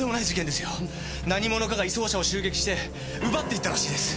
何者かが移送車を襲撃して奪っていったらしいです。